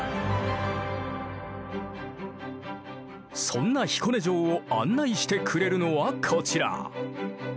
そんな彦根城を案内してくれるのはこちら。